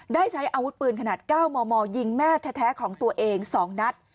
ได้ใช้อาวุธปืนขนาด๙มมยิงแม่แท้ของตัวเอง๒นัด